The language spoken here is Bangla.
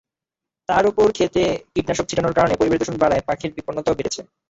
তার ওপর খেতে কীটনাশক ছিটানোর কারণে পরিবেশদূষণ বাড়ায় পাখির বিপন্নতাও বেড়েছে।